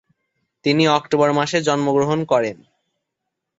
তিনি অক্টোবর মাসে জন্মগ্রহণ করেন।